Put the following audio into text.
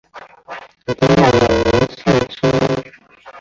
一定要远离市区